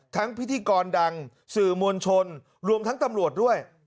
พิธีกรดังสื่อมวลชนรวมทั้งตำรวจด้วย